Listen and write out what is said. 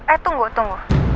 eh tunggu tunggu